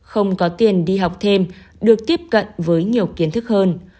không có tiền đi học thêm được tiếp cận với nhiều kiến thức hơn